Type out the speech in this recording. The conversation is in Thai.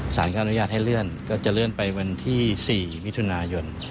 สารก็อนุญาตให้เลื่อนก็จะเลื่อนไปวันที่๔มิถุนายน